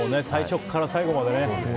最初から最後までね。